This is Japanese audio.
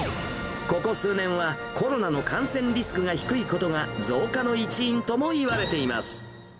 ここ数年は、コロナの感染リスクが低いことが増加の一因ともいわれています。